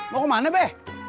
mau kemana be